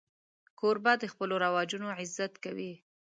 کوربه د خپلو رواجونو عزت کوي.